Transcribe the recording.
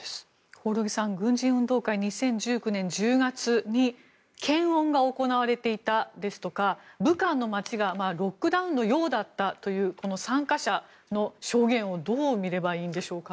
興梠さん軍人運動会が２０１９年１０月に検温が行われていたですとか武漢の街がロックダウンのようだったという参加者の証言をどう見ればいいんでしょうか。